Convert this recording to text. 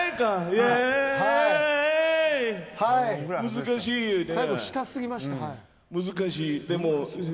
難しいね。